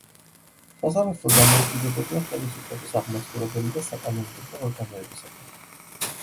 სასამართლო დამოუკიდებელია ხელისუფლების აღმასრულებელი და საკანონმდებლო ორგანოებისაგან.